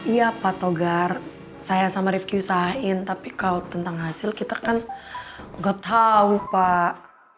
iya pak togar saya sama rifqi usahain tapi kalau tentang hasil kita kan gak tahu pak